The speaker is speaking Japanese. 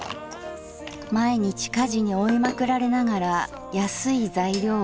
毎日家事に追いまくられながら安い材料をやりくりして。